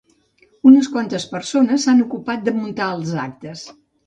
Unes quantes persones s'han ocupat de muntar els actes.